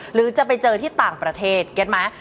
หรือจะไปเจอที่ต่างประเทศเก็ตไหม